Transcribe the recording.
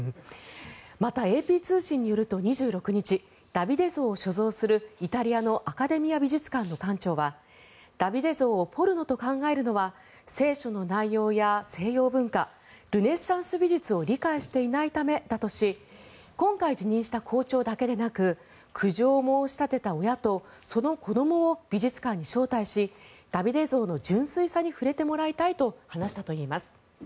また、ＡＰ通信によると２６日ダビデ像を所蔵するイタリアのアカデミア美術館の館長はダビデ像をポルノと考えるのは聖書の内容や西洋文化ルネサンス美術を理解していないためだとし今回辞任した校長だけでなく苦情を申し立てた親とその子どもを美術館に招待しダビデ像の純粋さに触れてもらいたいと話したといいます。